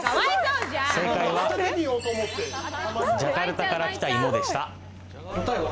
正解は、ジャカルタから来た芋でした。